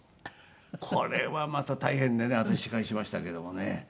これはまた大変でね私司会しましたけどもね。